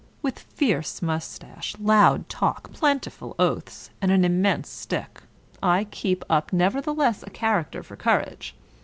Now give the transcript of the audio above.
With fierce mustache, loud talk, plentiful oaths, and an im mense stick, I keep up nevertheless a character for courage.